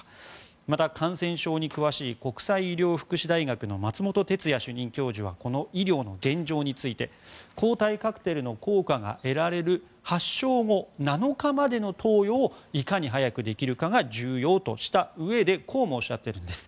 また、感染症に詳しい国際医療福祉大学の松本哲哉主任教授はこの医療の現状について抗体カクテルの効果が得られる発症後７日までの投与をいかに早くできるかが重要としたうえでこうもおっしゃっています。